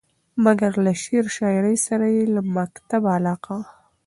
مګر له شعر شاعرۍ سره مې له مکتبه علاقه وه.